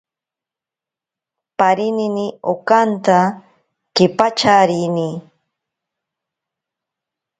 Parinini okanta kepacharini.